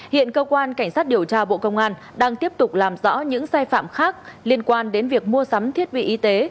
hiện cơ quan cảnh sát điều tra bộ công an đang tiếp tục làm rõ những sai phạm khác liên quan đến việc mua sắm thiết bị y tế